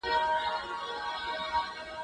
زه به سبا د تکړښت لپاره ولاړم؟!